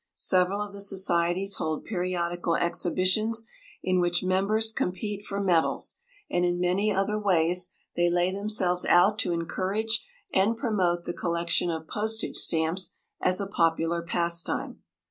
Several of the societies hold periodical exhibitions, in which members compete for medals, and in many other ways they lay themselves out to encourage and promote the collection of postage stamps as a popular pastime.